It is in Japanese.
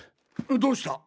どうした？